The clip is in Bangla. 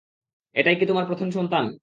এটাই কি তোমার প্রথম সন্তান?